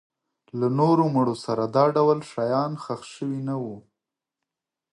له نورو مړو سره دا ډول شیان ښخ شوي نه وو.